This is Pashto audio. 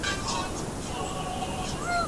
زه به سبا د کتابتون پاکوالی کوم!؟